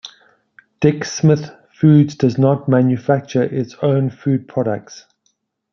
Dick Smith Foods does not manufacture its own food products.